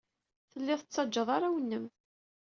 Tellid tettajjad arraw-nnem.